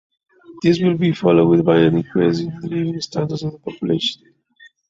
This will be followed by an increase in the living standards of the population.